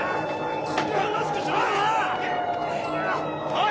おい！